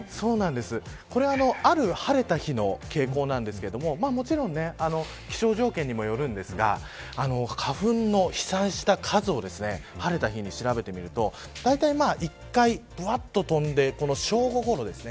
これは、ある晴れた日の傾向なんですけれどももちろん気象条件にもよるんですが花粉の飛散した数を晴れた日に調べてみるとだいたい１回ぶわっと飛んで正午ごろ。